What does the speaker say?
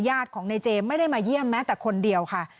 ของในเจมไม่ได้มาเยี่ยมแม้แต่คนเดียวค่ะ